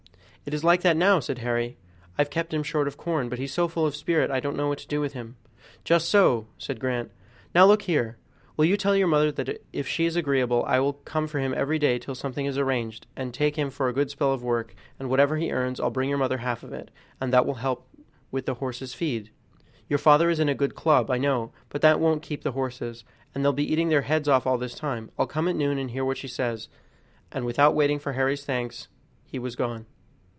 "It is like that now," said Harry. "I have kept him short of corn, but he's so full of spirit I don't know what to do with him." "Just so," said Grant. "Now look here, will you tell your mother that if she is agreeable I will come for him every day till something is arranged, and take him for a good spell of work, and whatever he earns, I'll bring your mother half of it, and that will help with the horses' feed. Your father is in a good club, I know, but that won't keep the horses, and they'll be eating their heads off all this time; I'll come at noon and hear what she says," and without waiting for Harry's thanks he was gone.